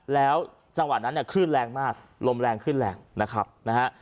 แล้วจังหวะนั้นเนี่ยคลื่นแรงมากลมแรงขึ้นแรงนะครับนะฮะ